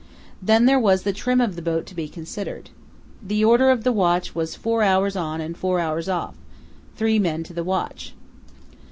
Then there was the trim of the boat to be considered. The order of the watch was four hours on and four hours off, three men to the watch.